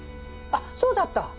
あっそうだった！